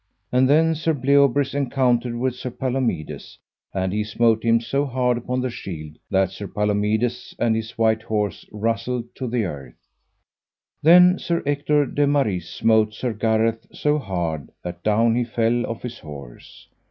And then Sir Bleoberis encountered with Sir Palomides, and he smote him so hard upon the shield that Sir Palomides and his white horse rustled to the earth. Then Sir Ector de Maris smote Sir Gareth so hard that down he fell off his horse.